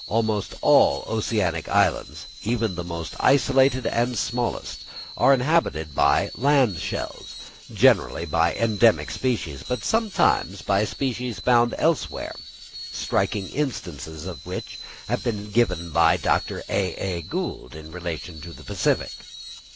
Almost all oceanic islands, even the most isolated and smallest, are inhabited by land shells, generally by endemic species, but sometimes by species found elsewhere striking instances of which have been given by Dr. A.A. Gould in relation to the Pacific.